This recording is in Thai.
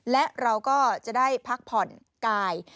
และเราก็จะได้พักผ่อนกาย